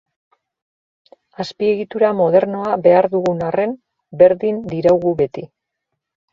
Azpiegitura modernoa behar dugun arren, berdin diraugu beti.